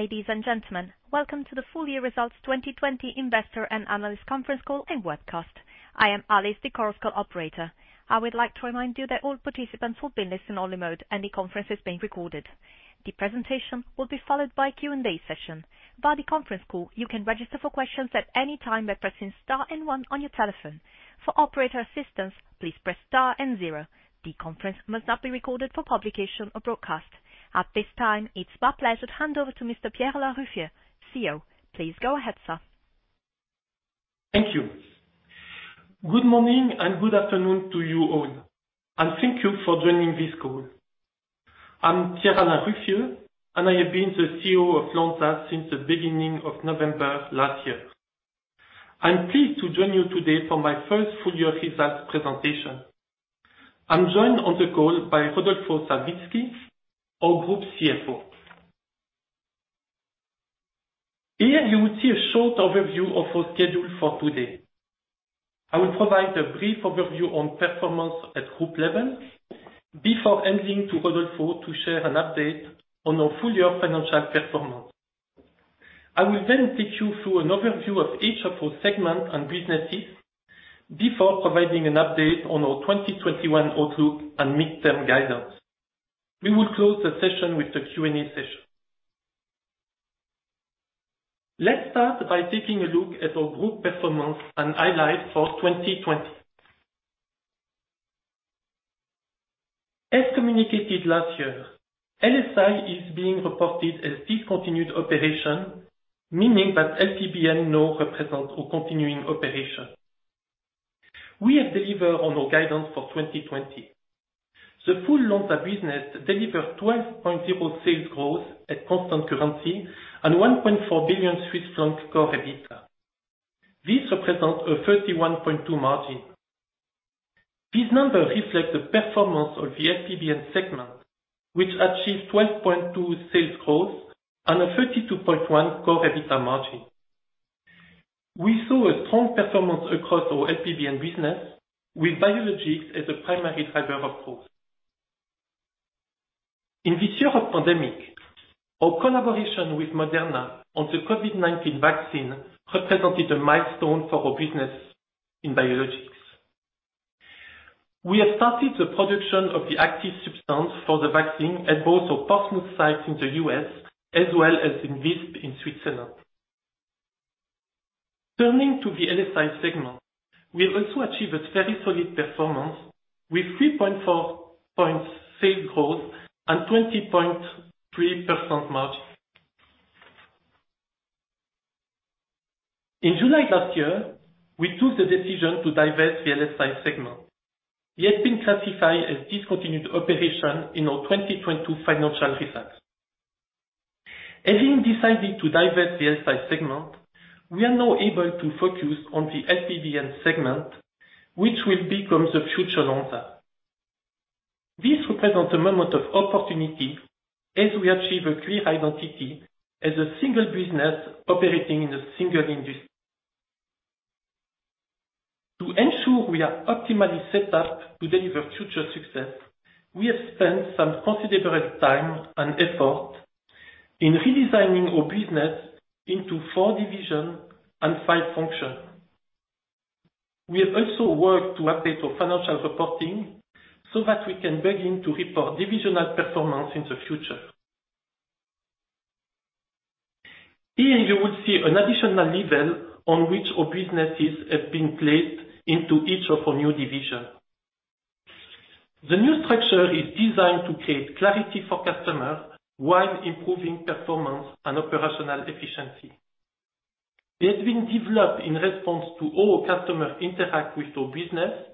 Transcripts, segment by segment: Ladies and gentlemen, welcome to the full year results 2020 investor and analyst conference call and webcast. I am Alice, the Chorus Call operator. I would like to remind you that all participants will be listed in listen only mode, and the conference is being recorded. The presentation will be followed by a Q&A session. Via the conference call, you can register for questions at any time by pressing star and one on your telephone. For operator assistance, please press star and zero. The conference must not be recorded for publication or broadcast. At this time, it's my pleasure to hand over to Mr. Pierre-Alain Ruffieux, CEO. Please go ahead, sir. Thank you. Good morning and good afternoon to you all, thank you for joining this call. I'm Pierre-Alain Ruffieux, I have been the CEO of Lonza since the beginning of November last year. I'm pleased to join you today for my first full year results presentation. I'm joined on the call by Rodolfo Savitzky, our group CFO. Here you will see a short overview of our schedule for today. I will provide a brief overview on performance at group level before handing to Rodolfo to share an update on our full year financial performance. I will take you through an overview of each of our segments and businesses before providing an update on our 2021 outlook and midterm guidance. We will close the session with the Q&A session. Let's start by taking a look at our group performance and highlights for 2020. As communicated last year, LSI is being reported as discontinued operation, meaning that LPBN now represents our continuing operation. We have delivered on our guidance for 2020. The full Lonza business delivered 12.0% sales growth at constant currency and 1.4 billion Swiss franc CORE EBITDA. This represents a 31.2% margin. These numbers reflect the performance of the LPBN segment, which achieved 12.2% sales growth and a 32.1% CORE EBITDA margin. We saw a strong performance across our LPBN business with Biologics as a primary driver of growth. In this year of pandemic, our collaboration with Moderna on the COVID-19 vaccine represented a milestone for our business in Biologics. We have started the production of the active substance for the vaccine at both our Portsmouth site in the U.S. as well as in Visp in Switzerland. Turning to the LSI segment, we also achieved a very solid performance with 3.4% sales growth and 20.3% margin. In July last year, we took the decision to divest the LSI segment. It's been classified as discontinued operation in our 2020 financial results. Having decided to divest the LSI segment, we are now able to focus on the LPBN segment, which will become the future Lonza. This represents a moment of opportunity as we achieve a clear identity as a single business operating in a single industry. To ensure we are optimally set up to deliver future success, we have spent some considerable time and effort in redesigning our business into four divisions and five functions. We have also worked to update our financial reporting so that we can begin to report divisional performance in the future. Here you will see an additional level on which our businesses have been placed into each of our new divisions. The new structure is designed to create clarity for customers while improving performance and operational efficiency. It has been developed in response to how our customers interact with our business,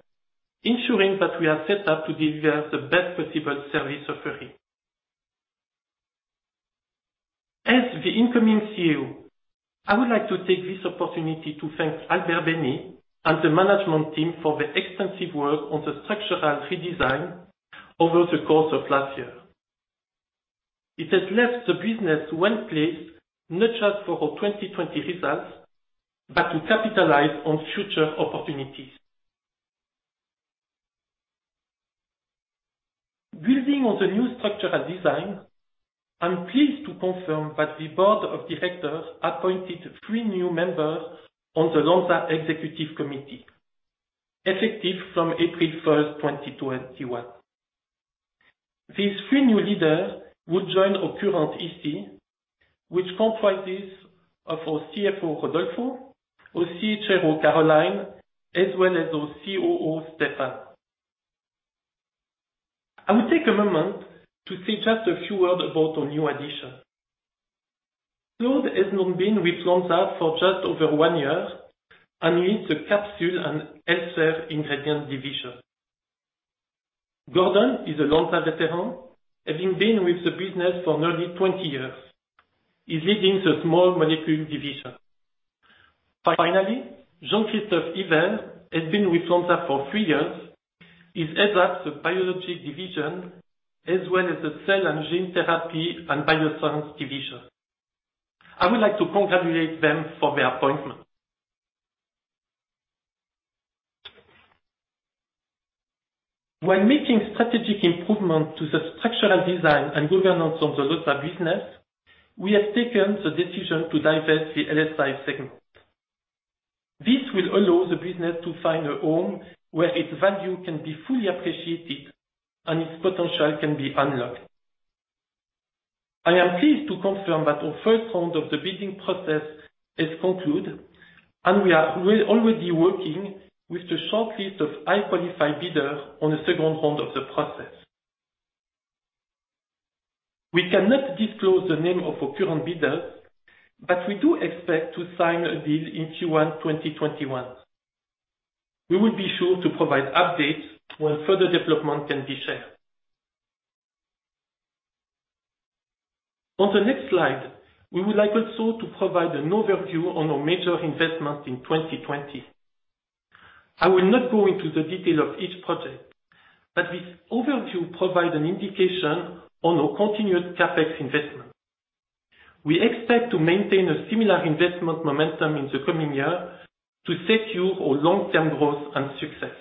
ensuring that we are set up to deliver the best possible service offering. As the incoming CEO, I would like to take this opportunity to thank Albert Baehny and the management team for their extensive work on the structural redesign over the course of last year. It has left the business well-placed, not just for our 2020 results, but to capitalize on future opportunities. Building on the new structural design, I'm pleased to confirm that the Board of Directors appointed three new members on the Lonza Executive Committee effective from April 1st, 2021. These three new leaders will join our current EC, which comprises of our CFO, Rodolfo, our CHRO, Caroline, as well as our COO, Stefan. I will take a moment to say just a few words about our new additions. Claude has now been with Lonza for just over one year and leads the Capsules and Health Ingredients division. Gordon is a Lonza veteran, having been with the business for nearly 20 years. He's leading the Small Molecules division. Finally, Jean-Christophe Hyvert has been with Lonza for three years. He's head of the Biologics division, as well as the Cell & Gene Therapy and Biosciences division. I would like to congratulate them for their appointment. While making strategic improvement to the structural design and governance of the Lonza business, we have taken the decision to divest the LSI segment. This will allow the business to find a home where its value can be fully appreciated and its potential can be unlocked. I am pleased to confirm that our first round of the bidding process is concluded. We are already working with a short list of highly qualified bidders on the second round of the process. We cannot disclose the name of our current bidders. We do expect to sign a deal in Q1 2021. We will be sure to provide updates when further development can be shared. On the next slide, we would like also to provide an overview on our major investment in 2020. I will not go into the detail of each project. This overview provides an indication on our continued CapEx investment. We expect to maintain a similar investment momentum in the coming year to secure our long-term growth and success.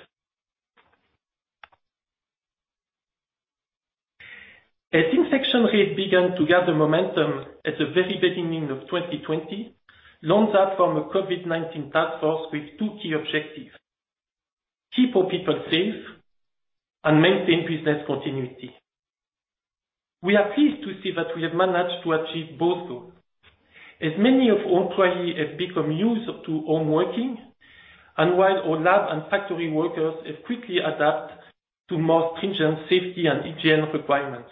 As infection rate began to gather momentum at the very beginning of 2020, Lonza form a COVID-19 task force with two key objectives. Keep our people safe and maintain business continuity. We are pleased to see that we have managed to achieve both goals. As many of our employees have become used to home working, and while our lab and factory workers have quickly adapt to more stringent safety and hygiene requirements.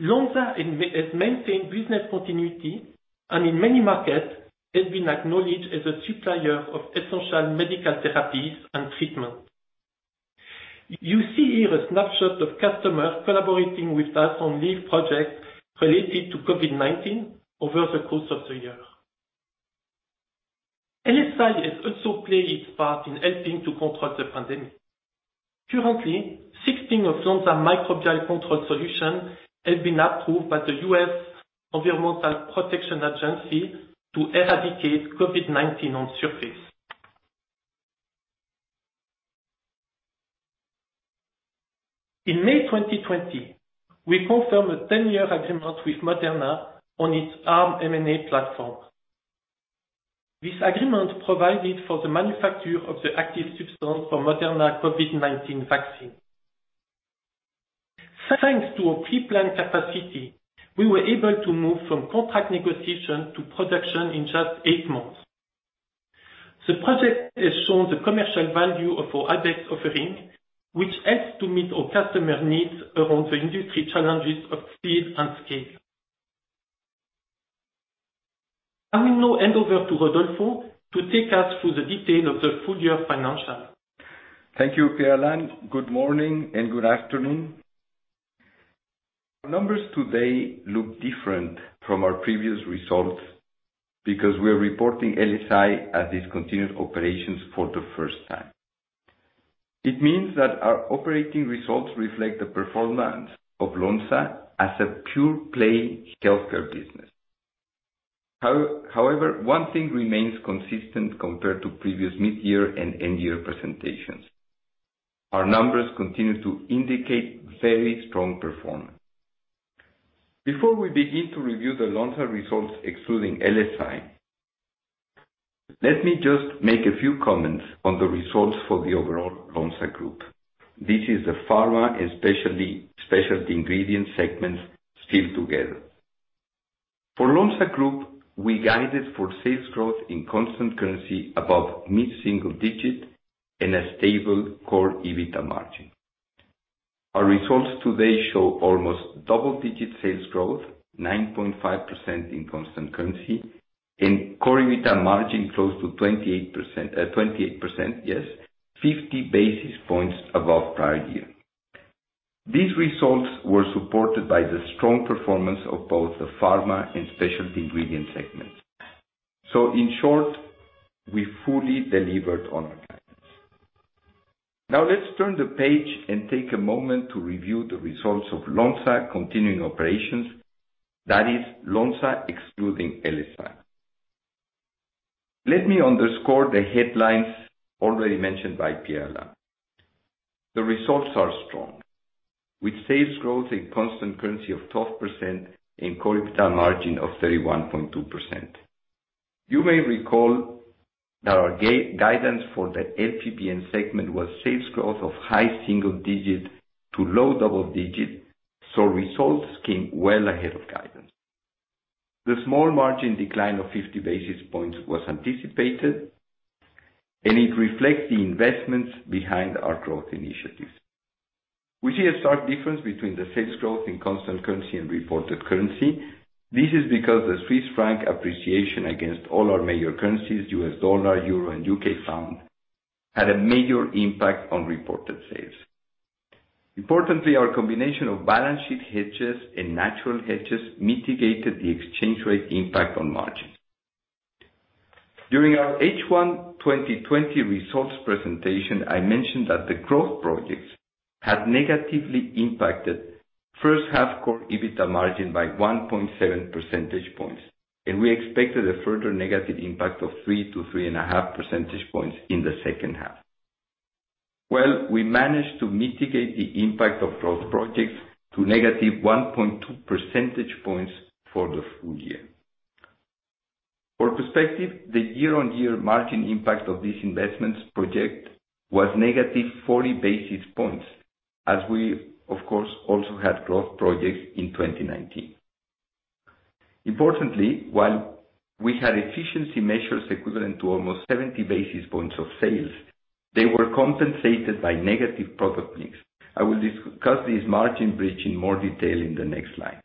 Lonza has maintained business continuity and in many markets has been acknowledged as a supplier of essential medical therapies and treatment. You see here a snapshot of customers collaborating with us on these projects related to COVID-19 over the course of the year. LSI has also played its part in helping to control the pandemic. Currently, 16 of Lonza Microbial Control Solutions have been approved by the U.S. Environmental Protection Agency to eradicate COVID-19 on surface. In May 2020, we confirmed a 10-year agreement with Moderna on its mRNA platform. This agreement provided for the manufacture of the active substance for Moderna COVID-19 vaccine. Thanks to our pre-planned capacity, we were able to move from contract negotiation to production in just eight months. The project has shown the commercial value of our Ibex offering, which helps to meet our customer needs around the industry challenges of speed and scale. I will now hand over to Rodolfo to take us through the detail of the full-year financial. Thank you, Pierre-Alain. Good morning and good afternoon. Our numbers today look different from our previous results because we're reporting LSI as discontinued operations for the first time. It means that our operating results reflect the performance of Lonza as a pure-play healthcare business. One thing remains consistent compared to previous mid-year and end-year presentations. Our numbers continue to indicate very strong performance. Before we begin to review the Lonza results excluding LSI, let me just make a few comments on the results for the overall Lonza Group. This is the pharma and specialty ingredients segments still together. For Lonza Group, we guided for sales growth in constant currency above mid-single digit and a stable CORE EBITDA margin. Our results today show almost double-digit sales growth, 9.5% in constant currency and CORE EBITDA margin close to 28%, yes, 50 basis points above prior year. These results were supported by the strong performance of both the pharma and specialty ingredient segments. In short, we fully delivered on our guidance. Let's turn the page and take a moment to review the results of Lonza continuing operations, that is Lonza excluding LSI. Let me underscore the headlines already mentioned by Pierre-Alain. The results are strong, with sales growth in constant currency of 12% and CORE EBITDA margin of 31.2%. You may recall that our guidance for the LPBN segment was sales growth of high single digit to low double digit, results came well ahead of guidance. The small margin decline of 50 basis points was anticipated, it reflects the investments behind our growth initiatives. We see a stark difference between the sales growth in constant currency and reported currency. This is because the Swiss franc appreciation against all our major currencies, US dollar, euro, and UK pound, had a major impact on reported sales. Importantly, our combination of balance sheet hedges and natural hedges mitigated the exchange rate impact on margins. During our H1 2020 results presentation, I mentioned that the growth projects had negatively impacted first half CORE EBITDA margin by 1.7 percentage points, and we expected a further negative impact of 3-3.5 percentage points in the second half. Well, we managed to mitigate the impact of growth projects to -1.2 percentage points for the full year. For perspective, the year-on-year margin impact of these investments project was -40 basis points. As we of course, also had growth projects in 2019. Importantly, while we had efficiency measures equivalent to almost 70 basis points of sales, they were compensated by negative product mix. I will discuss this margin bridge in more detail in the next slide.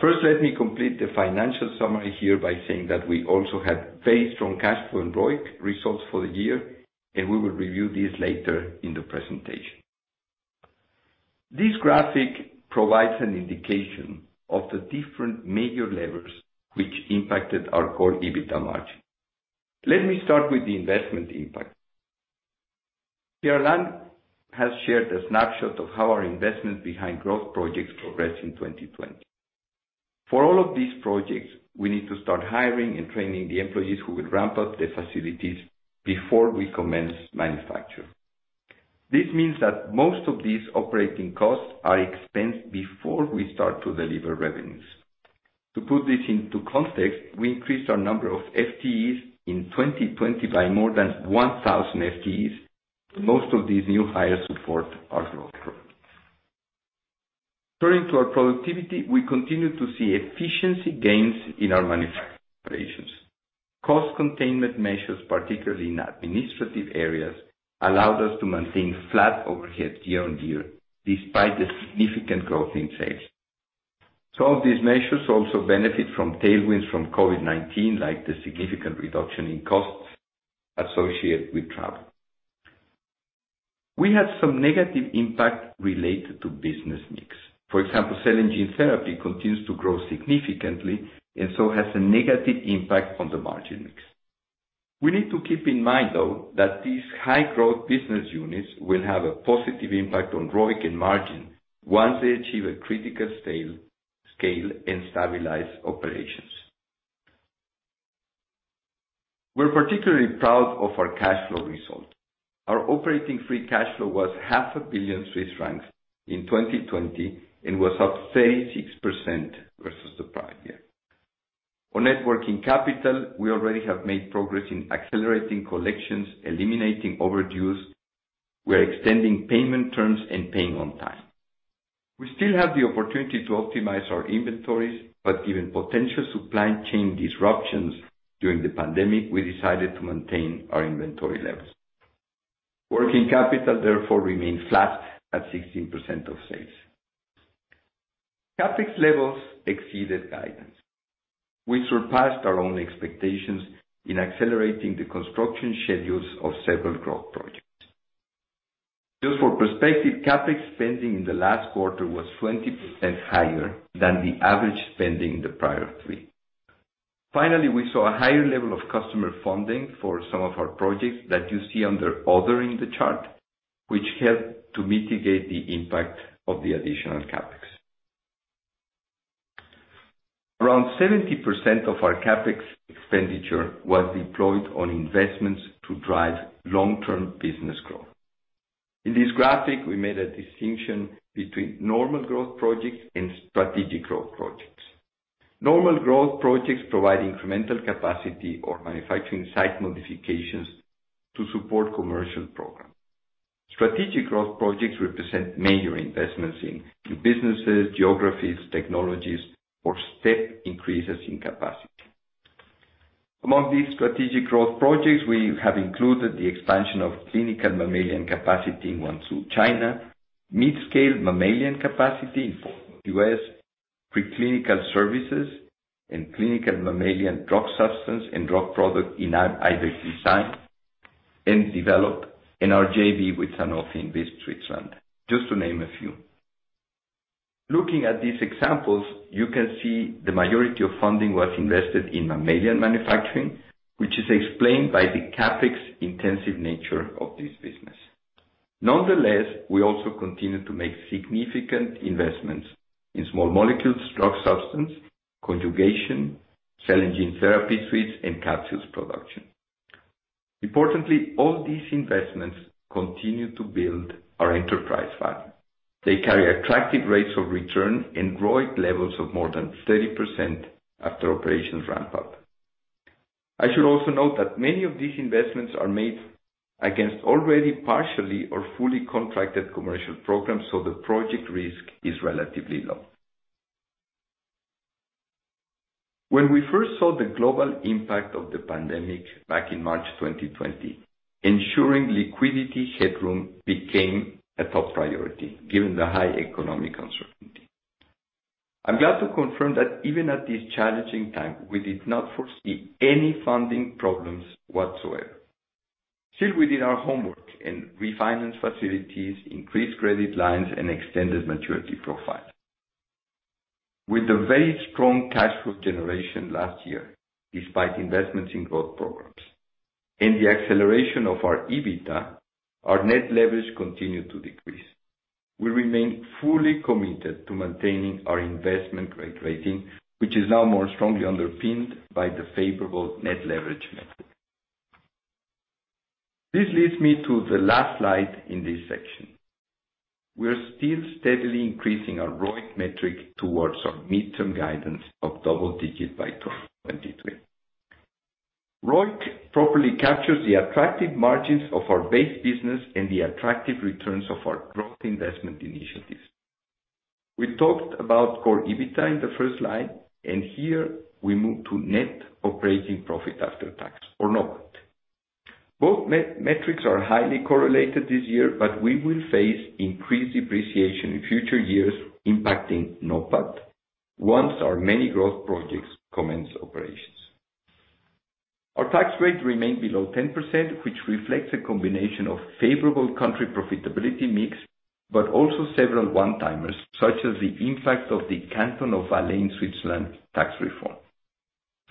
First, let me complete the financial summary here by saying that we also had very strong cash flow and ROIC results for the year, and we will review this later in the presentation. This graphic provides an indication of the different major levers which impacted our CORE EBITDA margin. Let me start with the investment impact. Pierre-Alain has shared a snapshot of how our investments behind growth projects progressed in 2020. For all of these projects, we need to start hiring and training the employees who will ramp up the facilities before we commence manufacture. This means that most of these operating costs are expensed before we start to deliver revenues. To put this into context, we increased our number of FTEs in 2020 by more than 1,000 FTEs. Most of these new hires support our growth projects. Turning to our productivity, we continue to see efficiency gains in our manufacturing operations. Cost containment measures, particularly in administrative areas, allowed us to maintain flat overhead year-on-year, despite the significant growth in sales. Some of these measures also benefit from tailwinds from COVID-19, like the significant reduction in costs associated with travel. We had some negative impact related to business mix. For example, Cell & Gene Therapy continues to grow significantly and so has a negative impact on the margin mix. We need to keep in mind, though, that these high-growth business units will have a positive impact on ROIC and margin once they achieve a critical scale and stabilize operations. We're particularly proud of our cash flow result. Our operating free cash flow was half a billion Swiss francs in 2020 and was up 36% versus the prior year. On net working capital, we already have made progress in accelerating collections, eliminating overdues. We're extending payment terms and paying on time. We still have the opportunity to optimize our inventories, but given potential supply chain disruptions during the pandemic, we decided to maintain our inventory levels. Working capital therefore remained flat at 16% of sales. CapEx levels exceeded guidance. We surpassed our own expectations in accelerating the construction schedules of several growth projects. Just for perspective, CapEx spending in the last quarter was 20% higher than the average spending in the prior three. We saw a higher level of customer funding for some of our projects that you see under "other" in the chart, which helped to mitigate the impact of the additional CapEx. Around 70% of our CapEx expenditure was deployed on investments to drive long-term business growth. In this graphic, we made a distinction between normal growth projects and strategic growth projects. Normal growth projects provide incremental capacity or manufacturing site modifications to support commercial programs. Strategic growth projects represent major investments in new businesses, geographies, technologies, or step increases in capacity. Among these strategic growth projects, we have included the expansion of clinical mammalian capacity in Guangzhou, China, mid-scale mammalian capacity in Fort Worth, U.S., preclinical services, and clinical mammalian drug substance and drug product in Ibex Design and develop in our JV with Sanofi in Visp, Switzerland, just to name a few. Looking at these examples, you can see the majority of funding was invested in mammalian manufacturing, which is explained by the CapEx-intensive nature of this business. Nonetheless, we also continue to make significant investments in small molecules, drug substance, conjugation, cell and gene therapy suites, and capsules production. Importantly, all these investments continue to build our enterprise value. They carry attractive rates of return and ROIC levels of more than 30% after operations ramp up. I should also note that many of these investments are made against already partially or fully contracted commercial programs. The project risk is relatively low. When we first saw the global impact of the pandemic back in March 2020, ensuring liquidity headroom became a top priority given the high economic uncertainty. I'm glad to confirm that even at this challenging time, we did not foresee any funding problems whatsoever. We did our homework and refinanced facilities, increased credit lines, and extended maturity profile. With a very strong cash flow generation last year, despite investments in growth programs and the acceleration of our EBITDA, our net leverage continued to decrease. We remain fully committed to maintaining our investment-grade rating, which is now more strongly underpinned by the favorable net leverage metric. This leads me to the last slide in this section. We're still steadily increasing our ROIC metric towards our midterm guidance of double digits by 2023. ROIC properly captures the attractive margins of our base business and the attractive returns of our growth investment initiatives. We talked about CORE EBITDA in the first slide, and here we move to net operating profit after tax, or NOPAT. Both metrics are highly correlated this year, but we will face increased depreciation in future years, impacting NOPAT once our many growth projects commence operations. Our tax rate remained below 10%, which reflects a combination of favorable country profitability mix, but also several one-timers, such as the impact of the Canton of Valais in Switzerland tax reform.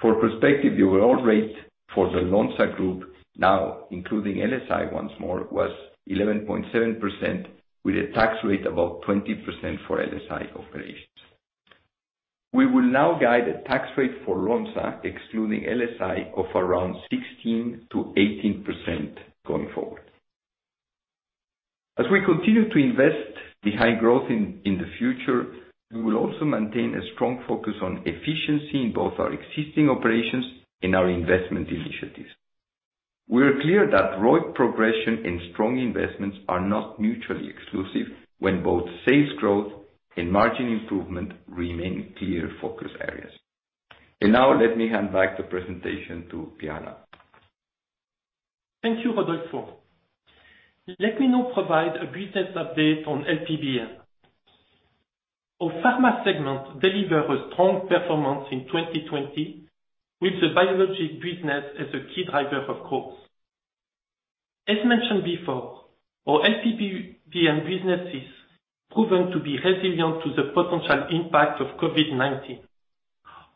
For perspective, the overall rate for the Lonza Group, now including LSI once more, was 11.7%, with a tax rate above 20% for LSI operations. We will now guide a tax rate for Lonza, excluding LSI, of around 16%-18% going forward. As we continue to invest behind growth in the future, we will also maintain a strong focus on efficiency in both our existing operations and our investment initiatives. We are clear that ROIC progression and strong investments are not mutually exclusive when both sales growth and margin improvement remain clear focus areas. Now let me hand back the presentation to Pierre. Thank you, Rodolfo. Let me now provide a business update on LPBN. Our pharma segment delivered a strong performance in 2020 with the Biologics business as a key driver, of course. As mentioned before, our LPBN businesses proven to be resilient to the potential impact of COVID-19.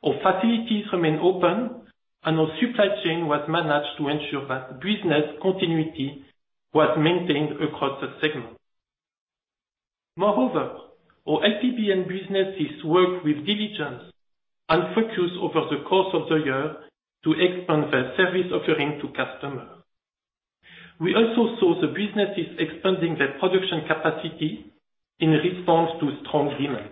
Our facilities remain open, and our supply chain was managed to ensure that business continuity was maintained across the segment. Moreover, our LPBN businesses work with diligence and focus over the course of the year to expand their service offering to customers. Also, we saw the businesses expanding their production capacity in response to strong demand.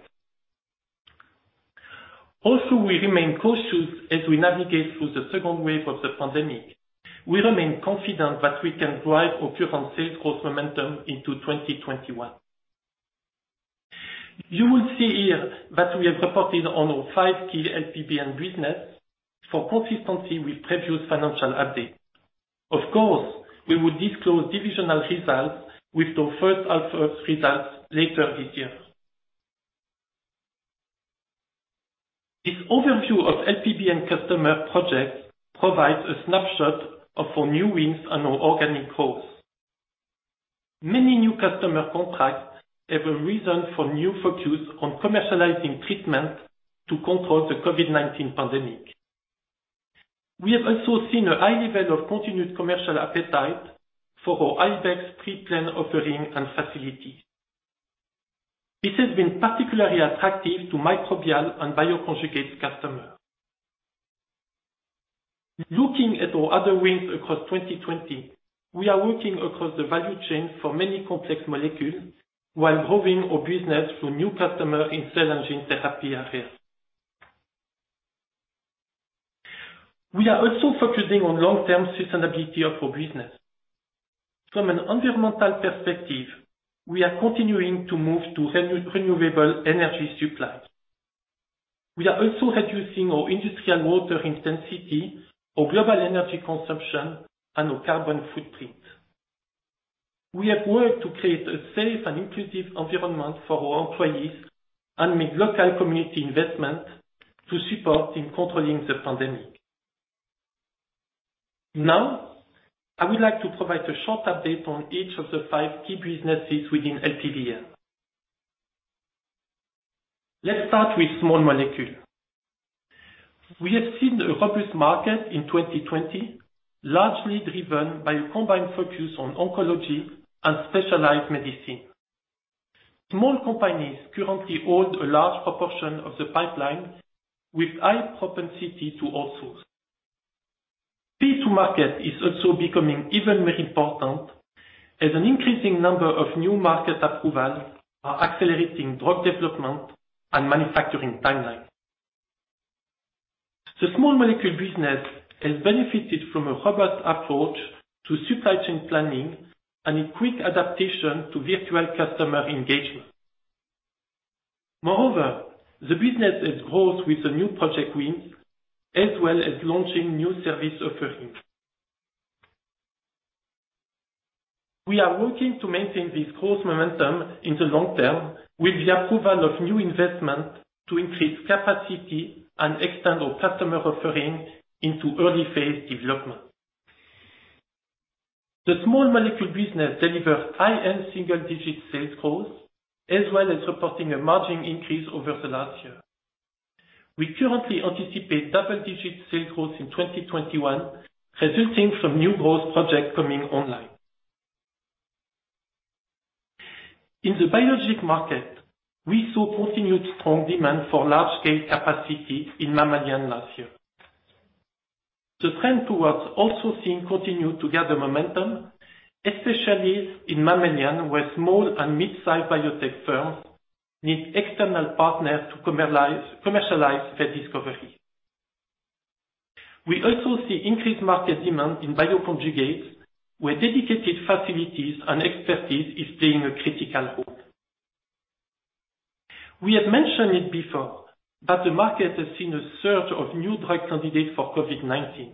Also, we remain cautious as we navigate through the second wave of the pandemic. We remain confident that we can drive our current sales growth momentum into 2021. You will see here that we have reported on our five key LPBN business for consistency with previous financial updates. Of course, we will disclose divisional results with our first half results later this year. This overview of LPBN customer projects provides a snapshot of our new wins and our organic growth. Many new customer contracts have a reason for new focus on commercializing treatments to control the COVID-19 pandemic. We have also seen a high level of continued commercial appetite for our Ibex preplanned offering and facilities. This has been particularly attractive to microbial and bioconjugate customers. Looking at our other wins across 2020, we are working across the value chain for many complex molecules while growing our business through new customers in Cell & Gene Therapy areas. We are also focusing on long-term sustainability of our business. From an environmental perspective, we are continuing to move to renewable energy supply. We are also reducing our industrial water intensity, our global energy consumption, and our carbon footprint. We have worked to create a safe and inclusive environment for our employees and make local community investment to support in controlling the pandemic. Now, I would like to provide a short update on each of the five key businesses within LPBN. Let's start with Small Molecules. We have seen a robust market in 2020, largely driven by a combined focus on oncology and specialized medicine. Small companies currently hold a large proportion of the pipeline with high propensity to outsource. Speed to market is also becoming even more important as an increasing number of new market approvals are accelerating drug development and manufacturing timelines. The Small Molecules business has benefited from a robust approach to supply chain planning and a quick adaptation to virtual customer engagement. Moreover, the business has growth with the new project wins, as well as launching new service offerings. We are working to maintain this growth momentum in the long term with the approval of new investment to increase capacity and extend our customer offering into early-phase development. The Small Molecules business delivered high-end single-digit sales growth, as well as reporting a margin increase over the last year. We currently anticipate double-digit sales growth in 2021, resulting from new growth projects coming online. In the Biologics market, we saw continued strong demand for large-scale capacity in mammalian last year. The trend towards outsourcing continue to gather momentum, especially in mammalian, where small and mid-sized biotech firms need external partners to commercialize their discovery. We also see increased market demand in bioconjugates, where dedicated facilities and expertise is playing a critical role. We have mentioned it before, but the market has seen a surge of new drug candidates for COVID-19.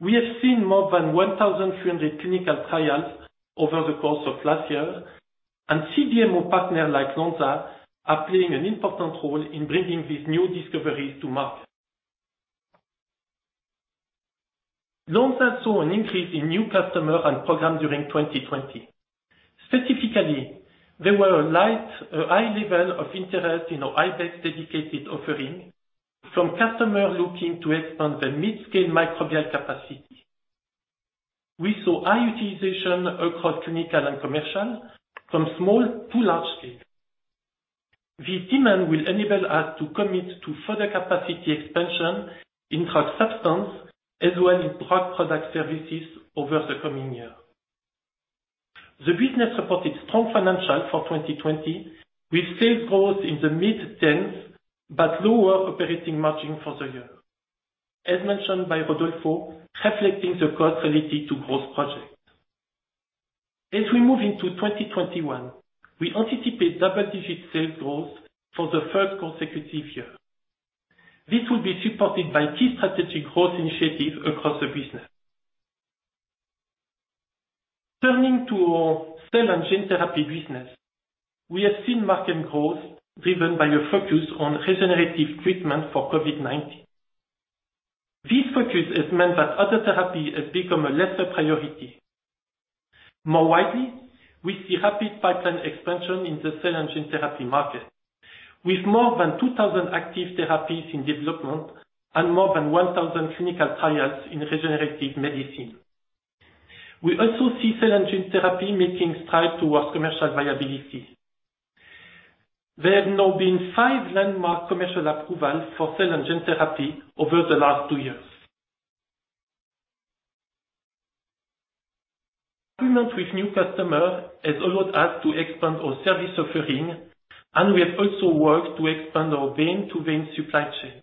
We have seen more than 1,300 clinical trials over the course of last year, and CDMO partner like Lonza are playing an important role in bringing these new discoveries to market. Lonza saw an increase in new customer and program during 2020. Specifically, there were a high level of interest in our Ibex dedicated offering from customers looking to expand their mid-scale microbial capacity. We saw high utilization across clinical and commercial from small to large scale. This demand will enable us to commit to further capacity expansion in drug substance as well as Drug Product Services over the coming year. The business reported strong financials for 2020, with sales growth in the mid-teens but lower operating margin for the year. As mentioned by Rodolfo, reflecting the cost related to growth projects. As we move into 2021, we anticipate double-digit sales growth for the first consecutive year. This will be supported by key strategic growth initiatives across the business. Turning to our Cell & Gene Therapy business. We have seen market growth driven by a focus on regenerative treatment for COVID-19. This focus has meant that other therapy has become a lesser priority. More widely, we see rapid pipeline expansion in the cell and gene therapy market, with more than 2,000 active therapies in development and more than 1,000 clinical trials in regenerative medicine. We also see Cell & Gene Therapy making strides towards commercial viability. There have now been five landmark commercial approvals for cell and gene therapy over the last two years. Agreement with new customer has allowed us to expand our service offering, and we have also worked to expand our vein-to-vein supply chain.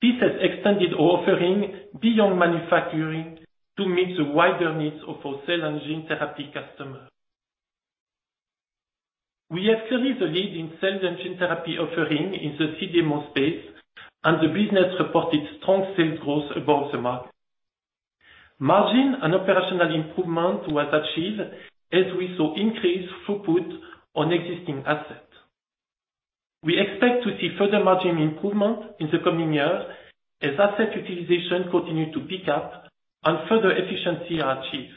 This has extended our offering beyond manufacturing to meet the wider needs of our cell and gene therapy customer. We have carried the lead in cell and gene therapy offering in the CDMO space, and the business reported strong sales growth above the market. Margin and operational improvement was achieved as we saw increased throughput on existing assets. We expect to see further margin improvement in the coming year as asset utilization continue to pick up and further efficiency are achieved.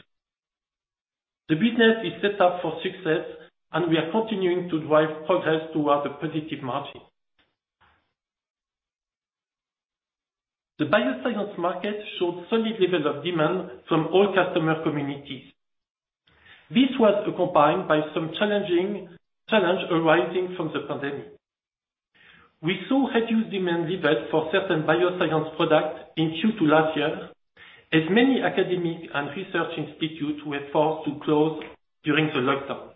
The business is set up for success, and we are continuing to drive progress towards a positive margin. The Bioscience market showed solid level of demand from all customer communities. This was accompanied by some challenge arising from the pandemic. We saw reduced demand levels for certain Bioscience products in Q2 last year, as many academic and research institutes were forced to close during the lockdown.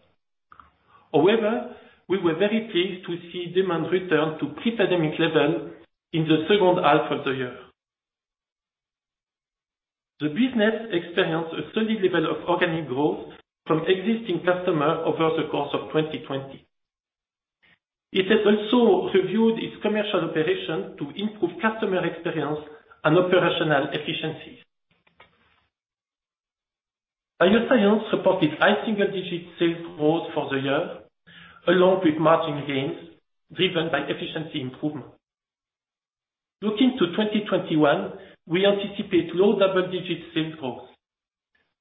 We were very pleased to see demand return to pre-pandemic level in the second half of the year. The business experienced a steady level of organic growth from existing customers over the course of 2020. It has also reviewed its commercial operations to improve customer experience and operational efficiencies. Bioscience supported high single-digit sales growth for the year, along with margin gains driven by efficiency improvement. Looking to 2021, we anticipate low double-digit sales growth.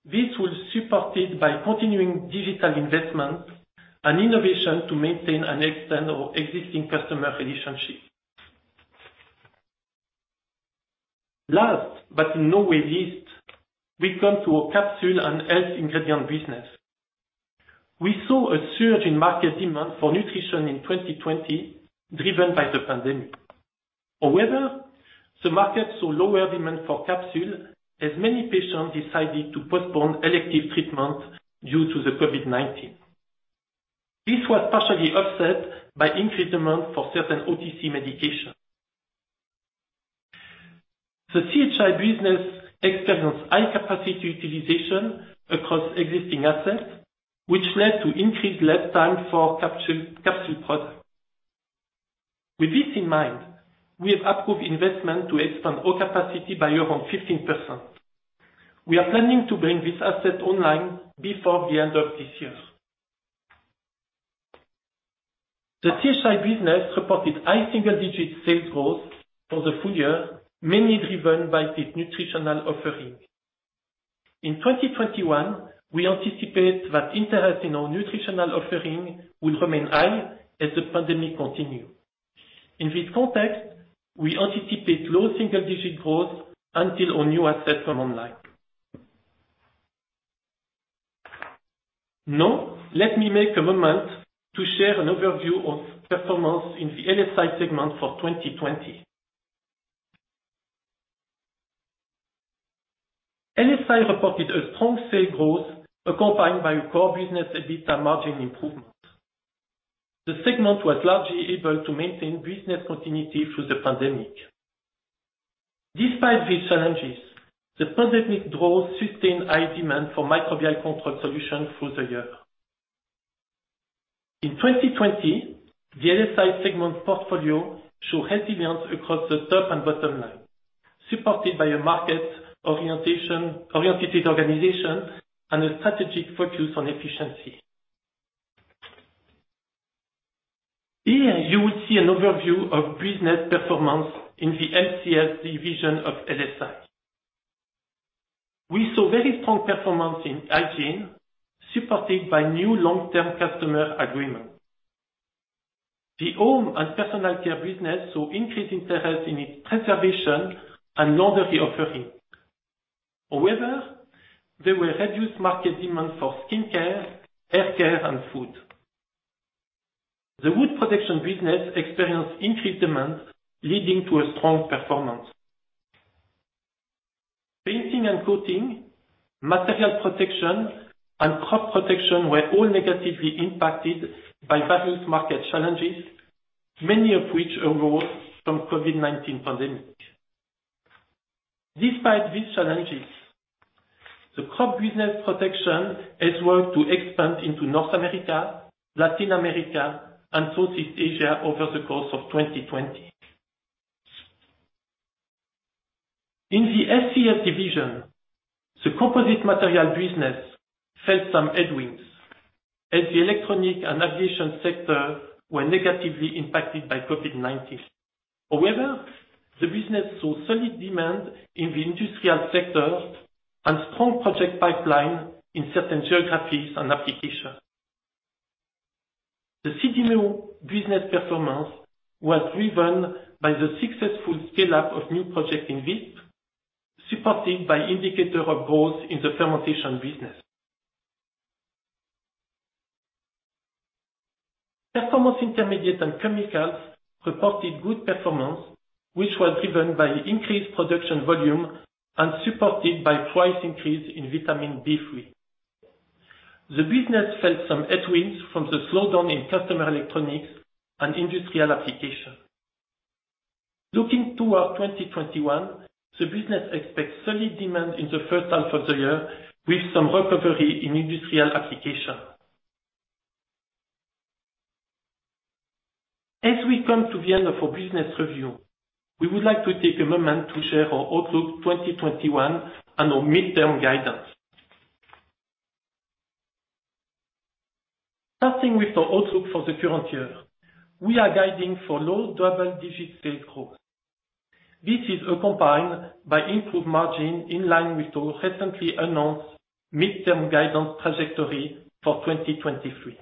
This was supported by continuing digital investment and innovation to maintain and extend our existing customer relationships. Last but in no way least, we come to our Capsules & Health Ingredients business. We saw a surge in market demand for nutrition in 2020 driven by the pandemic. The market saw lower demand for capsules as many patients decided to postpone elective treatment due to the COVID-19. This was partially offset by increased demand for certain OTC medication. The CHI business experienced high-capacity utilization across existing assets, which led to increased lead time for capsule products. With this in mind, we have approved investment to expand our capacity by around 15%. We are planning to bring this asset online before the end of this year. The CHI business supported high single-digit sales growth for the full year, mainly driven by its nutritional offering. In 2021, we anticipate that interest in our nutritional offering will remain high as the pandemic continues. In this context, we anticipate low single-digit growth until our new assets come online. Now, let me make a moment to share an overview of performance in the LSI segment for 2020. LSI reported a strong sales growth accompanied by a CORE EBITDA margin improvement. The segment was largely able to maintain business continuity through the pandemic. Despite these challenges, the pandemic drove sustained high demand for Microbial Control Solutions through the year. In 2020, the LSI segment portfolio showed resilience across the top and bottom line, supported by a market-orientated organization and a strategic focus on efficiency. Here, you will see an overview of business performance in the MCS division of LSI. We saw very strong performance in hygiene, supported by new long-term customer agreement. The home and personal care business saw increased interest in its preservation and laundry offering. There were reduced market demand for skincare, haircare, and food. The wood protection business experienced increased demand, leading to a strong performance. Painting and coating, material protection, and crop protection were all negatively impacted by various market challenges, many of which arose from COVID-19 pandemic. Despite these challenges, the crop business protection has worked to expand into North America, Latin America, and Southeast Asia over the course of 2020. In the SCS division, the composite material business faced some headwinds as the electronic and aviation sector were negatively impacted by COVID-19. The business saw solid demand in the industrial sectors and strong project pipeline in certain geographies and applications. The CDMO business performance was driven by the successful scale-up of new projects in Visp, supported by indicators of growth in the fermentation business. Performance intermediates and chemicals reported good performance, which was driven by increased production volume and supported by price increase in vitamin B3. The business felt some headwinds from the slowdown in consumer electronics and industrial application. Looking toward 2021, the business expects solid demand in the first half of the year, with some recovery in industrial application. As we come to the end of our business review, we would like to take a moment to share our outlook 2021 and our midterm guidance. Starting with our outlook for the current year, we are guiding for low double-digit sales growth. This is accompanied by improved margin in line with our recently announced midterm guidance trajectory for 2023.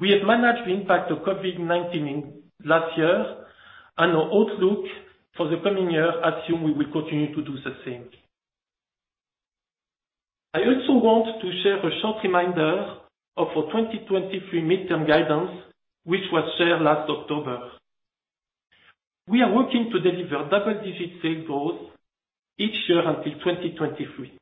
We have managed the impact of COVID-19 in last year. Our outlook for the coming year assume we will continue to do the same. I also want to share a short reminder of our 2023 midterm guidance, which was shared last October. We are working to deliver double-digit sales growth each year until 2023.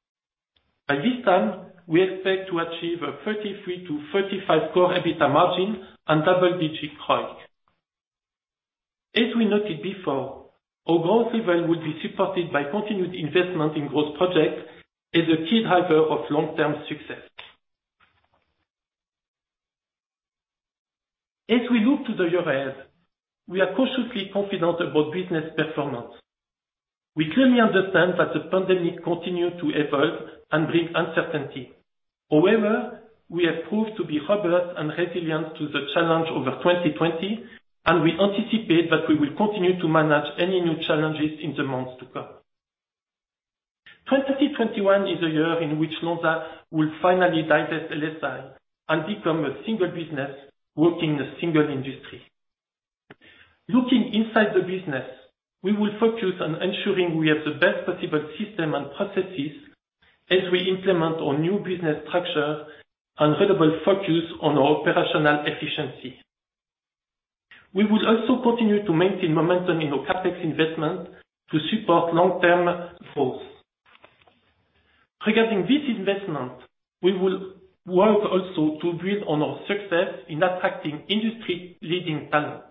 By this time, we expect to achieve a 33%-35% CORE EBITDA margin and double-digit ROIC. As we noted before, our growth level will be supported by continued investment in growth projects as a key driver of long-term success. As we look to the year ahead, we are cautiously confident about business performance. We clearly understand that the pandemic continue to evolve and bring uncertainty. However, we have proved to be robust and resilient to the challenge over 2020, and we anticipate that we will continue to manage any new challenges in the months to come. 2021 is a year in which Lonza will finally divest LSI and become a single business working a single industry. Looking inside the business, we will focus on ensuring we have the best possible system and processes as we implement our new business structure and redouble focus on our operational efficiency. We will also continue to maintain momentum in our CapEx investment to support long-term growth. Regarding this investment, we will work also to build on our success in attracting industry-leading talent.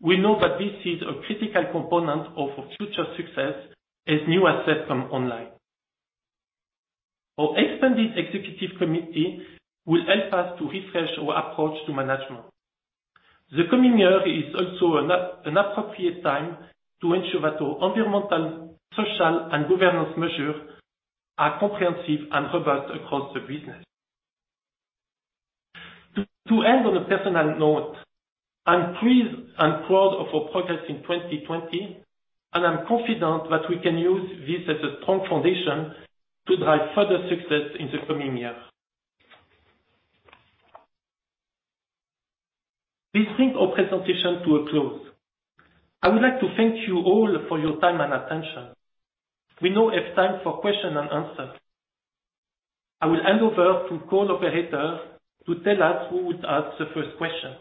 We know that this is a critical component of our future success as new assets come online. Our expanded executive committee will help us to refresh our approach to management. The coming year is also an appropriate time to ensure that our environmental, social, and governance measures are comprehensive and robust across the business. To end on a personal note, I'm pleased and proud of our progress in 2020, and I'm confident that we can use this as a strong foundation to drive further success in the coming year. This brings our presentation to a close. I would like to thank you all for your time and attention. We now have time for question and answer. I will hand over to call operator to tell us who would ask the first question.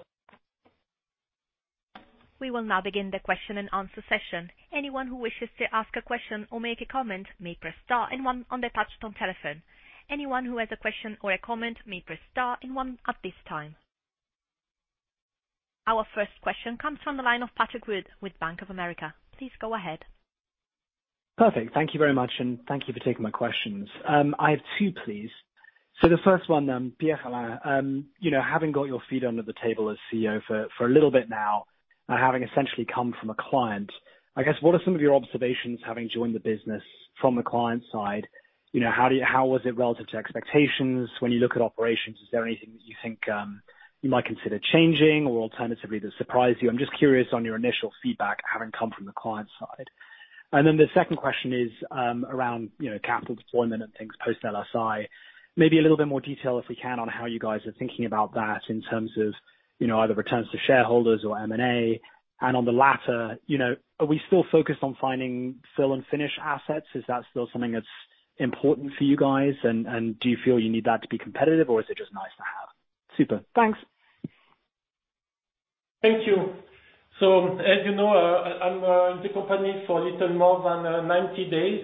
Our first question comes from the line of Patrick Wood with Bank of America. Please go ahead. Perfect. Thank you very much and thank you for taking my questions. I have two, please. The first one, Pierre-Alain, having got your feet under the table as CEO for a little bit now and having essentially come from a client, I guess what are some of your observations having joined the business from the client side? How was it relative to expectations? When you look at operations, is there anything that you think you might consider changing or alternatively that surprised you? I'm just curious on your initial feedback having come from the client side. The second question is around capital deployment and things post LSI. Maybe a little bit more detail, if we can, on how you guys are thinking about that in terms of either returns to shareholders or M&A. On the latter, are we still focused on finding fill-and-finish assets? Is that still something that's important for you guys, and do you feel you need that to be competitive, or is it just nice to have? Super. Thanks. Thank you. As you know, I'm in the company for a little more than 90 days.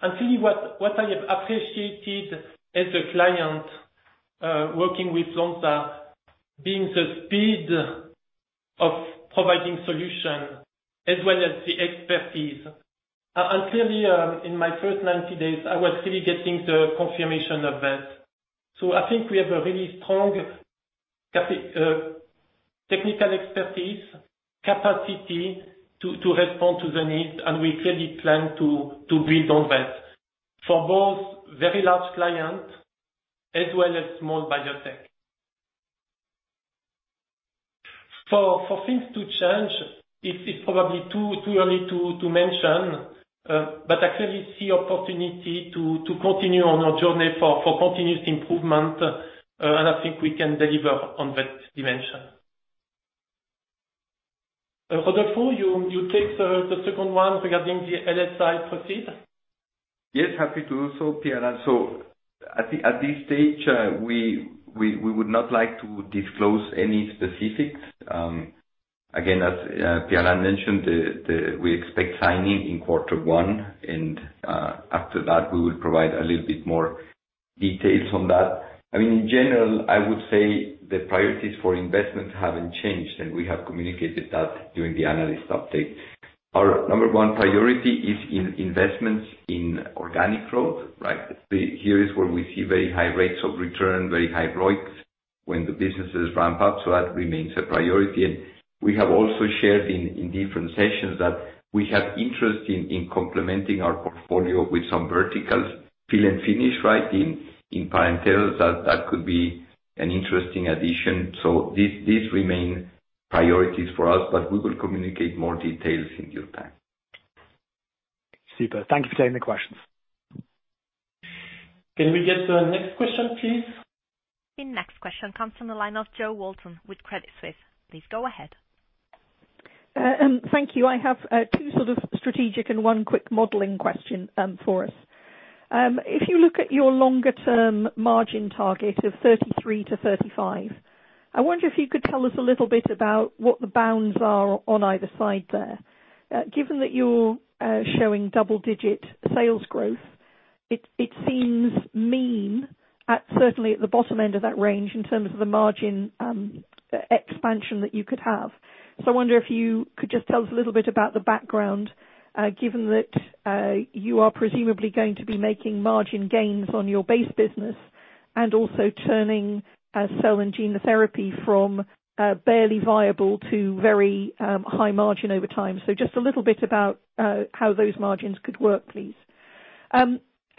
Clearly what I have appreciated as a client working with Lonza, being the speed of providing solution as well as the expertise. Clearly, in my first 90 days, I was really getting the confirmation of that. I think we have a really strong technical expertise capacity to respond to the needs, and we clearly plan to build on that for both very large clients as well as small biotech. For things to change, it's probably too early to mention, but I clearly see opportunity to continue on our journey for continuous improvement. I think we can deliver on that dimension. Rodolfo, you take the second one regarding the LSI proceeds. Yes, happy to. Pierre-Alain, at this stage, we would not like to disclose any specifics. Again, as Pierre-Alain mentioned, we expect signing in quarter one, and after that, we will provide a little bit more details on that. In general, I would say the priorities for investments haven't changed, and we have communicated that during the analyst update. Our number one priority is in investments in organic growth, right? Here is where we see very high rates of return, very high ROIC when the businesses ramp up. That remains a priority. We have also shared in different sessions that we have interest in complementing our portfolio with some verticals, fill and finish, in parenterals, that could be an interesting addition. These remain priorities for us, but we will communicate more details in due time. Super. Thank you for taking the questions. Can we get the next question, please? The next question comes from the line of Jo Walton with Credit Suisse. Please go ahead. Thank you. I have two sort of strategic and one quick modeling question for us. If you look at your longer-term margin target of 33%-35%, I wonder if you could tell us a little bit about what the bounds are on either side there. Given that you're showing double-digit sales growth, it seems mean at certainly at the bottom end of that range in terms of the margin expansion that you could have. I wonder if you could just tell us a little bit about the background, given that you are presumably going to be making margin gains on your base business and also turning Cell & Gene Therapy from barely viable to very high margin over time. Just a little bit about how those margins could work, please.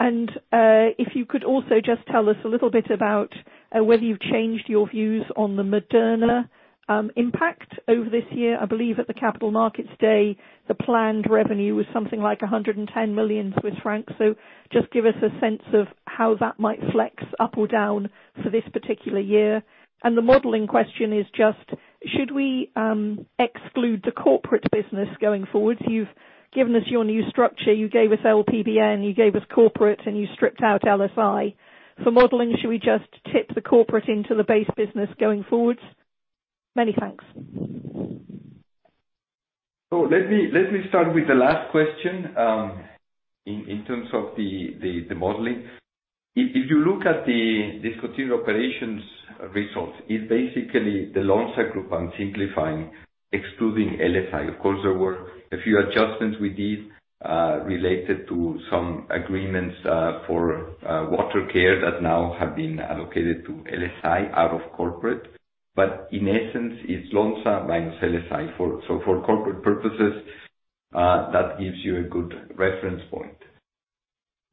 If you could also just tell us a little bit about whether you've changed your views on the Moderna impact over this year. I believe at the Capital Markets Day, the planned revenue was something like 110 million Swiss francs. Just give us a sense of how that might flex up or down for this particular year. The modeling question is just should we exclude the corporate business going forward? You've given us your new structure. You gave us LPBN, you gave us corporate, and you stripped out LSI. For modeling, should we just tip the corporate into the base business going forward? Many thanks. Let me start with the last question in terms of the modeling. If you look at the discontinued operations results, it's basically the Lonza Group on simplifying, excluding LSI. Of course, there were a few adjustments we did related to some agreements for Water Care that now have been allocated to LSI out of corporate. In essence, it's Lonza minus LSI. For corporate purposes. That gives you a good reference point.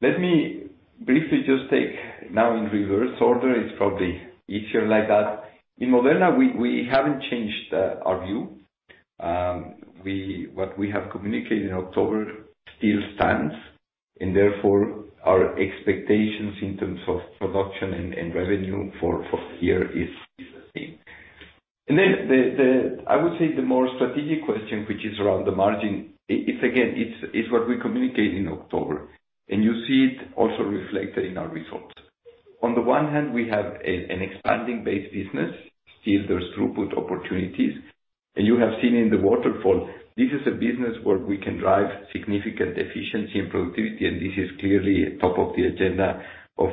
Let me briefly just take, now in reverse order, it's probably easier like that. In Moderna, we haven't changed our view. What we have communicated in October still stands, therefore, our expectations in terms of production and revenue for the year is the same. I would say the more strategic question, which is around the margin, it's again, it's what we communicate in October. You see it also reflected in our results. On the one hand, we have an expanding base business. Still, there's throughput opportunities. You have seen in the waterfall, this is a business where we can drive significant efficiency and productivity, and this is clearly top of the agenda of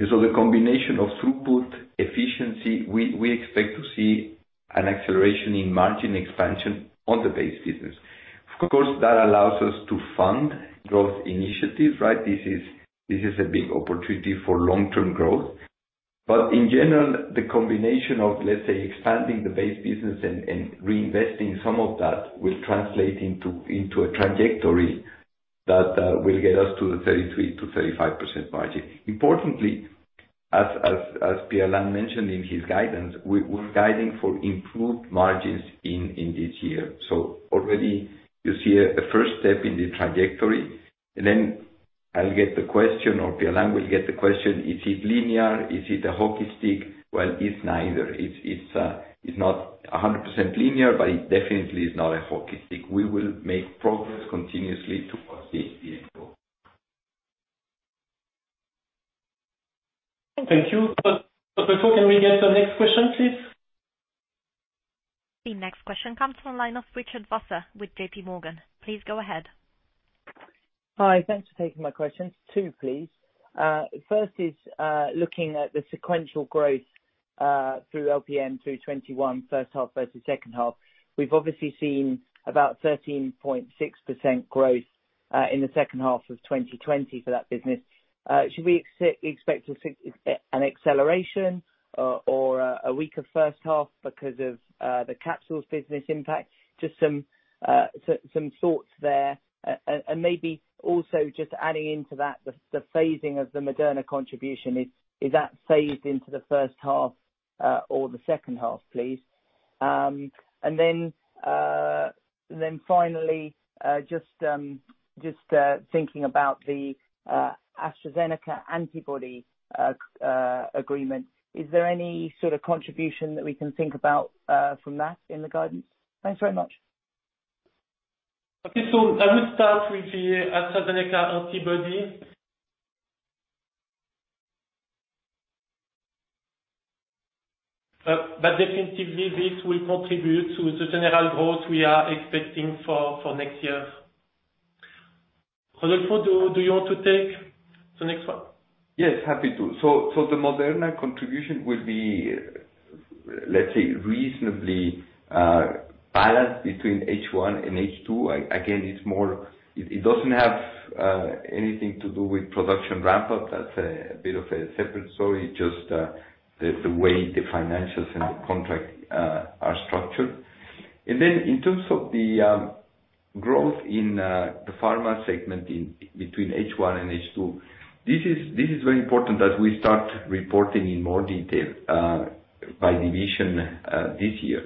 Pierre-Alain. The combination of throughput efficiency, we expect to see an acceleration in margin expansion on the base business. Of course, that allows us to fund growth initiatives, right? This is a big opportunity for long-term growth. In general, the combination of, let's say, expanding the base business and reinvesting some of that will translate into a trajectory that will get us to the 33%-35% margin. Importantly, as Pierre-Alain mentioned in his guidance, we're guiding for improved margins in this year. Already you see a first step in the trajectory. I'll get the question or Pierre-Alain will get the question: Is it linear? Is it a hockey stick? Well, it's neither. It's not 100% linear, but it definitely is not a hockey stick. We will make progress continuously towards this year's goal. Thank you. Operator, can we get the next question, please? The next question comes from the line of Richard Vosser with JPMorgan. Please go ahead. Hi. Thanks for taking my questions. Two, please. First is looking at the sequential growth through LPBN through 2021, first half versus second half. We've obviously seen about 13.6% growth in the second half of 2020 for that business. Should we expect to see an acceleration or a weaker first half because of the Capsules business impact? Just some thoughts there. Maybe also just adding into that, the phasing of the Moderna contribution, is that phased into the first half or the second half, please? Finally, just thinking about the AstraZeneca antibody agreement, is there any sort of contribution that we can think about from that in the guidance? Thanks very much. I will start with the AstraZeneca antibody. Definitely this will contribute to the general growth we are expecting for next year. Rodolfo, do you want to take the next one? Yes, happy to. The Moderna contribution will be, let's say, reasonably balanced between H1 and H2. Again, it doesn't have anything to do with production ramp-up. That's a bit of a separate story, just the way the financials and the contract are structured. Then in terms of the growth in the pharma segment between H1 and H2, this is very important that we start reporting in more detail by division this year.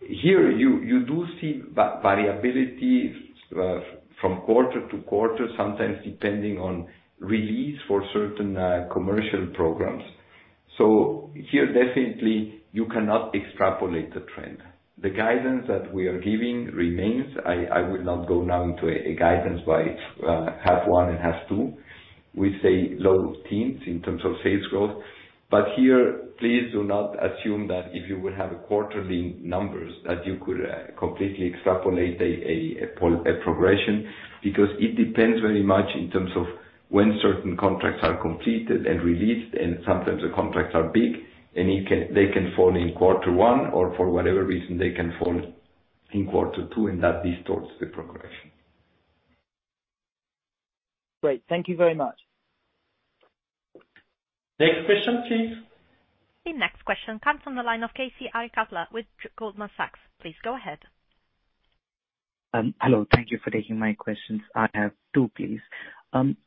Here, you do see variability from quarter to quarter, sometimes depending on release for certain commercial programs. The guidance that we are giving remains. I will not go now into a guidance by half one and half two. We say low teens in terms of sales growth. Here, please do not assume that if you would have quarterly numbers that you could completely extrapolate a progression, because it depends very much in terms of when certain contracts are completed and released, and sometimes the contracts are big, and they can fall in quarter one or, for whatever reason, they can fall in quarter two, and that distorts the progression. Great. Thank you very much. Next question, please. The next question comes on the line of KC Arikatla with Goldman Sachs. Please go ahead. Hello. Thank you for taking my questions. I have two, please.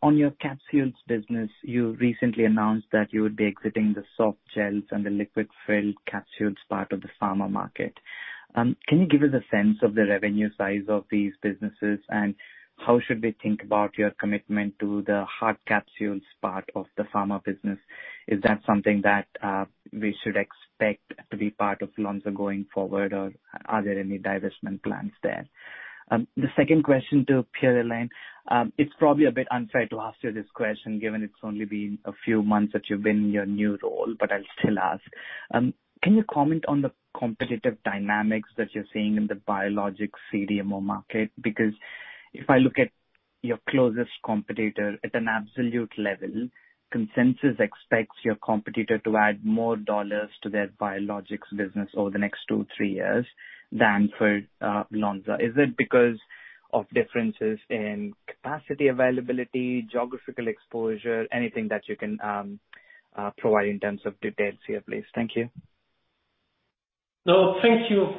On your Capsules business, you recently announced that you would be exiting the softgels and the liquid-filled capsules part of the pharma market. Can you give us a sense of the revenue size of these businesses, and how should we think about your commitment to the hard capsules part of the pharma business? Is that something that we should expect to be part of Lonza going forward, or are there any divestment plans there? The second question to Pierre-Alain. It's probably a bit unfair to ask you this question, given it's only been a few months that you've been in your new role, but I'll still ask. Can you comment on the competitive dynamics that you're seeing in the biologic CDMO market? Because if I look at your closest competitor at an absolute level, consensus expects your competitor to add more CHF to their Biologics business over the next two, three years than for Lonza. Is it because of differences in capacity availability, geographical exposure, anything that you can Provide in terms of details here, please. Thank you. No, thank you.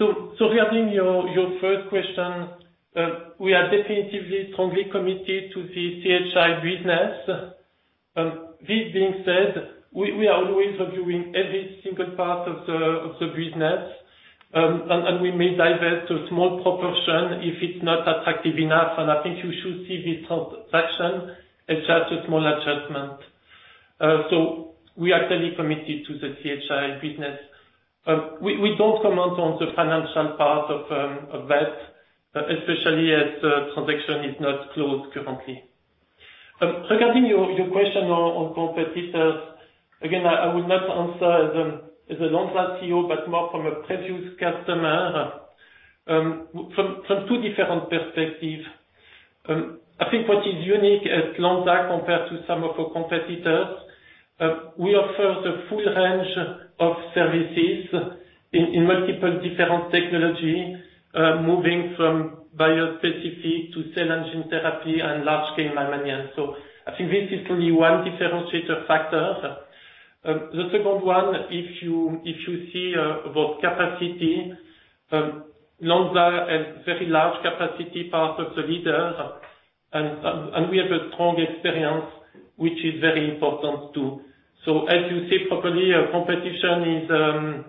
Regarding your first question, we are definitively strongly committed to the CHI business. This being said, we are always reviewing every single part of the business, and we may divest a small proportion if it's not attractive enough. I think you should see this whole section as just a small adjustment. We are fully committed to the CHI business. We don't comment on the financial part of that, especially as the transaction is not closed currently. Regarding your question on competitors, again, I would not answer as a Lonza CEO, but more from a previous customer. From two different perspective. I think what is unique at Lonza, compared to some of our competitors, we offer the full range of services in multiple different technology, moving from biospecific to cell and gene therapy and large-scale mammalian. I think this is only one differentiator factor. The second one, if you see about capacity, Lonza has very large capacity part of the leader, and we have a strong experience, which is very important, too. As you say, properly, competition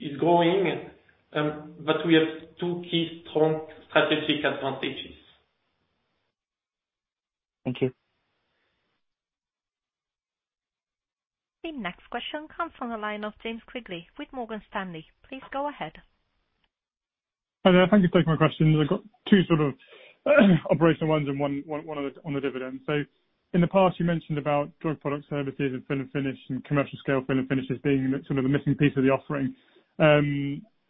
is growing, but we have two key strong strategic advantages. Thank you. The next question comes from the line of James Quigley with Morgan Stanley. Please go ahead. Hi there. Thank you for taking my questions. I've got two sort of operational ones and one on the dividend. In the past, you mentioned about drug product services and fill and finish, and commercial scale fill and finishes being sort of the missing piece of the offering.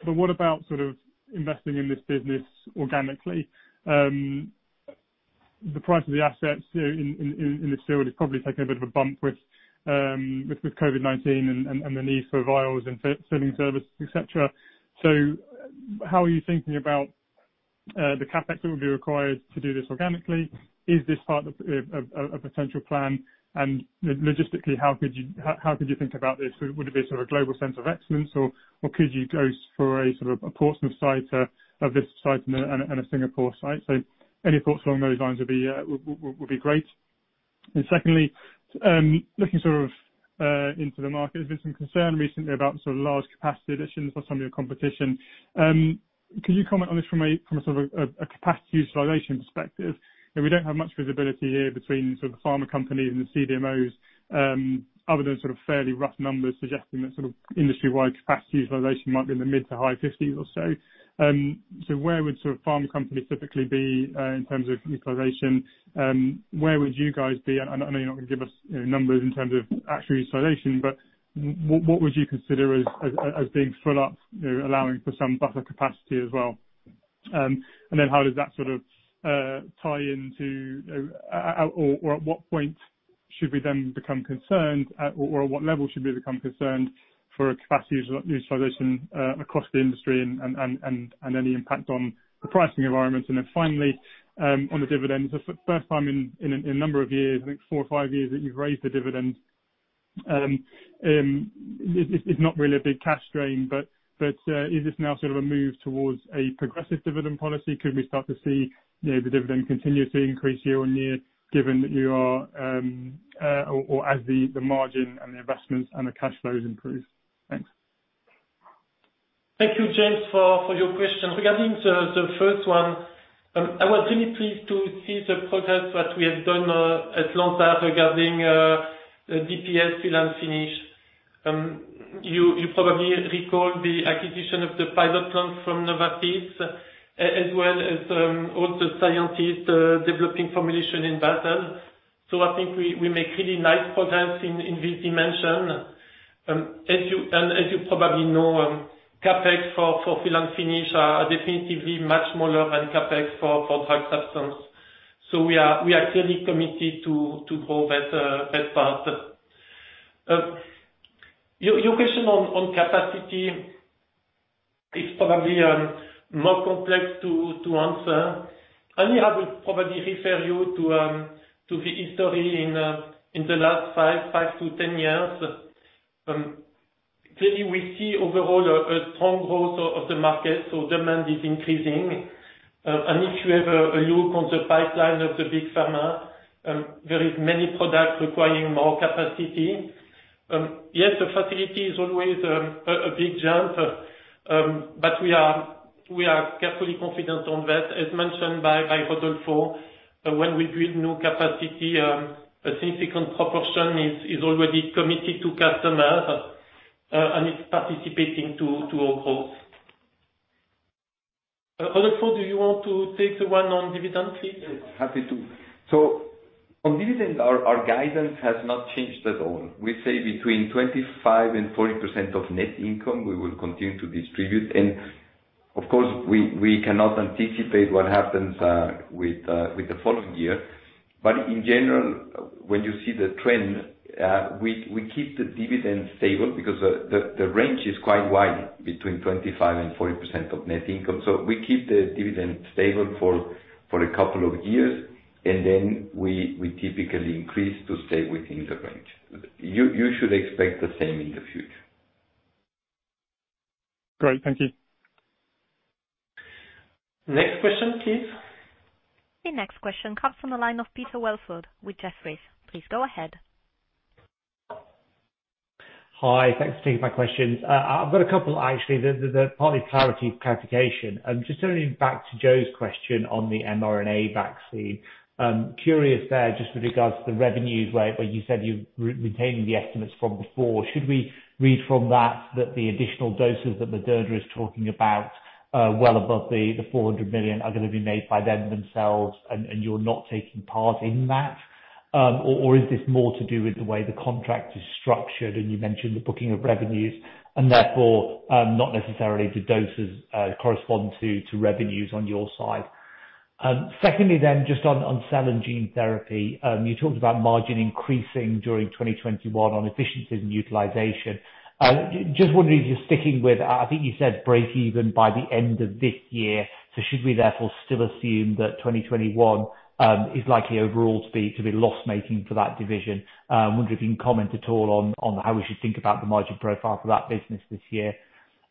What about sort of investing in this business organically? The price of the assets in this field is probably taking a bit of a bump with COVID-19 and the need for vials and filling service, et cetera. How are you thinking about the CapEx that would be required to do this organically? Is this part of a potential plan? Logistically, how could you think about this? Would it be sort of a global center of excellence, or could you go for a portion of this site and a Singapore site? Any thoughts along those lines would be great. Secondly, looking into the market, there's been some concern recently about sort of large capacity additions for some of your competition. Could you comment on this from a sort of a capacity utilization perspective? We don't have much visibility here between sort of the pharma companies and the CDMOs, other than sort of fairly rough numbers suggesting that sort of industry-wide capacity utilization might be in the mid-to-high 50s or so. Where would sort of pharma companies typically be, in terms of utilization? Where would you guys be? I know you're not going to give us numbers in terms of actual utilization, but what would you consider as being full up, allowing for some buffer capacity as well? How does that sort of tie into or at what point should we then become concerned, or at what level should we become concerned for a capacity utilization across the industry and any impact on the pricing environment? Finally, on the dividend, the first time in a number of years, I think four or five years, that you've raised the dividend. It's not really a big cash drain, but is this now sort of a move towards a progressive dividend policy? Could we start to see the dividend continue to increase year on year, given that as the margin and the investments and the cash flows improve? Thanks. Thank you, James, for your question. Regarding the first one, I was really pleased to see the progress that we have done at Lonza regarding DPS fill and finish. You probably recall the acquisition of the pilot plant from Novartis, as well as all the scientists developing formulation in Basel. I think we make really nice progress in this dimension. As you probably know, CapEx for fill and finish are definitively much smaller than CapEx for drug substance. We are clearly committed to go that path. Your question on capacity is probably more complex to answer. Yeah, I would probably refer you to the history in the last 5-10 years. Clearly, we see overall a strong growth of the market, so demand is increasing. If you have a look on the pipeline of the big pharma, there is many products requiring more capacity. Yes, the facility is always a big jump. We are carefully confident on that. As mentioned by Rodolfo, when we build new capacity, a significant proportion is already committed to customers, and it's participating to our growth. Rodolfo, do you want to take the one on dividend, please? Happy to. On dividend, our guidance has not changed at all. We say between 25% and 40% of net income, we will continue to distribute. Of course, we cannot anticipate what happens with the following year. In general, when you see the trend, we keep the dividend stable because the range is quite wide between 25% and 40% of net income. We keep the dividend stable for a couple of years, and then we typically increase to stay within the range. You should expect the same in the future. Great. Thank you. Next question, please. The next question comes from the line of Peter Welford with Jefferies. Please go ahead. Hi. Thanks for taking my questions. I've got a couple, actually. They're partly clarity, clarification. Turning back to Jo's question on the mRNA vaccine. Curious there, just with regards to the revenues, where you said you're retaining the estimates from before. Should we read from that the additional doses that Moderna is talking about, well above the 400 million, are going to be made by them themselves and you're not taking part in that? Is this more to do with the way the contract is structured and you mentioned the booking of revenues and therefore, not necessarily the doses correspond to revenues on your side. Secondly, just on Cell & Gene Therapy. You talked about margin increasing during 2021 on efficiencies and utilization. Wondering if you're sticking with, I think you said breakeven by the end of this year. Should we therefore still assume that 2021 is likely overall to be loss-making for that division? I wonder if you can comment at all on how we should think about the margin profile for that business this year.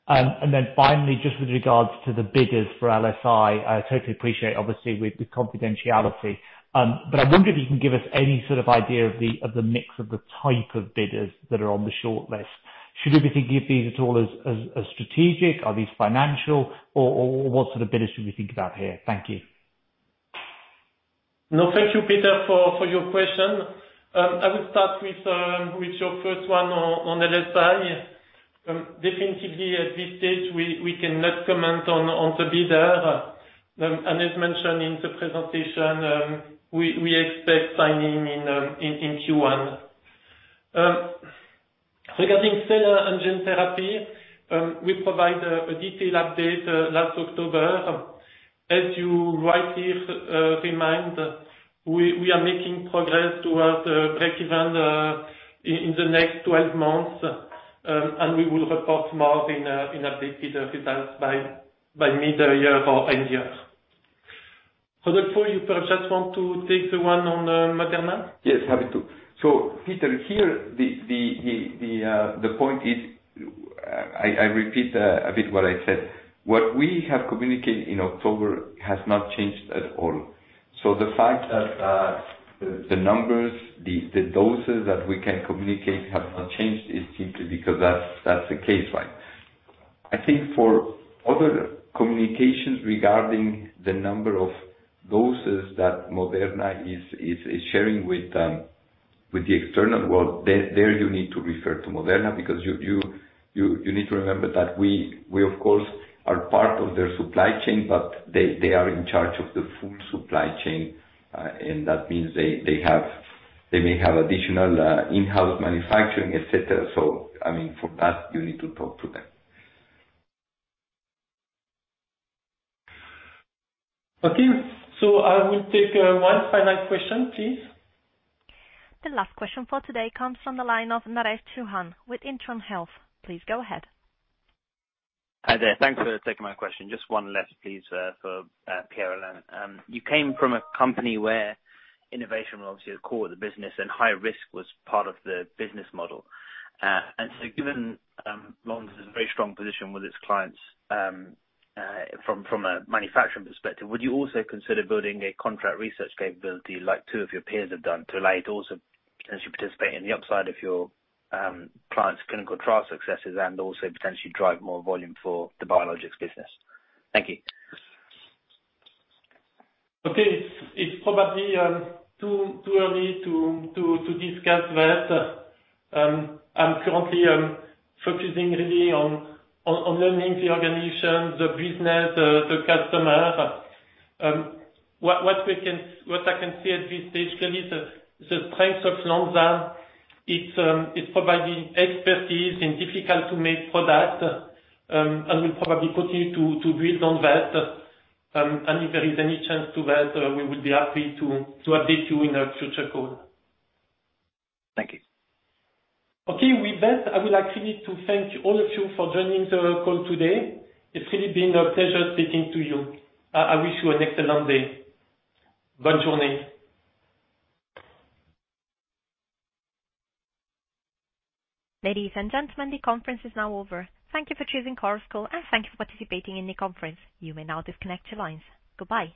Finally, just with regards to the bidders for LSI. I totally appreciate, obviously, with confidentiality. I wonder if you can give us any sort of idea of the mix of the type of bidders that are on the shortlist. Should we be thinking of these at all as strategic? Are these financial or what sort of bidders should we think about here? Thank you. No, thank you, Peter, for your question. I would start with your first one on LSI. Definitively at this stage, we cannot comment on the bidder. As mentioned in the presentation, we expect signing in Q1. Regarding Cell & Gene Therapy, we provide a detailed update last October. As you rightly remind, we are making progress towards breakeven in the next 12 months, and we will report more in updated results by mid-year or end year. Rodolfo, you perhaps just want to take the one on Moderna? Yes, happy to. Peter, here the point is, I repeat a bit what I said. What we have communicated in October has not changed at all. The fact that the numbers, the doses that we can communicate have not changed is simply because that's the case. I think for other communications regarding the number of doses that Moderna is sharing with the external world, there you need to refer to Moderna because you need to remember that we, of course, are part of their supply chain, but they are in charge of the full supply chain. That means they may have additional in-house manufacturing, et cetera. I mean, for that, you need to talk to them. Okay. I will take one final question, please. The last question for today comes from the line of Naresh Chouhan with Intron Health. Please go ahead. Hi there. Thanks for taking my question. Just one last, please, for Pierre-Alain. You came from a company where innovation was obviously a core of the business and high risk was part of the business model. Given Lonza's very strong position with its clients from a manufacturing perspective, would you also consider building a contract research capability like two of your peers have done to allow you to also, as you participate in the upside of your clients' clinical trial successes and also potentially drive more volume for the Biologics business? Thank you. Okay. It's probably too early to discuss that. I'm currently focusing really on learning the organization, the business, the customer. What I can say at this stage, really, the strength of Lonza, it's providing expertise in difficult-to-make product, and we'll probably continue to build on that. If there is any chance to that, we will be happy to update you in a future call. Thank you. Okay. With that, I would like really to thank all of you for joining the call today. It's really been a pleasure speaking to you. I wish you an excellent day. Bonne journée. Ladies and gentlemen, the conference is now over. Thank you for choosing Chorus Call and thank you for participating in the conference. You may now disconnect your lines. Goodbye.